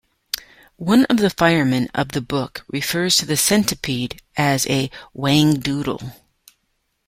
One of the firemen of the book refers to the centipede as a Whangdoodle.